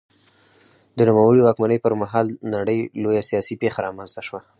د نوموړي د واکمنۍ پر مهال د نړۍ لویه سیاسي پېښه رامنځته شوه.